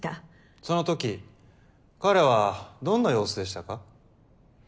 その時彼はどんな様子でしたか？